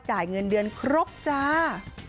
จ่ายเงินเดือนครบจ้า